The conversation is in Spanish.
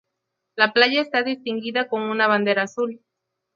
La playa está distinguida con una bandera azul.